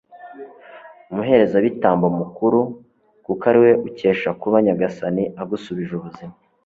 umuherezabitambo mukuru, kuko ari we ukesha kuba nyagasani agusubije ubuzima